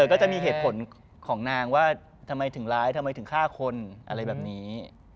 ก็จะมีเหตุผลของนางว่าทำไมถึงร้ายทำไมถึงฆ่าคนอะไรแบบนี้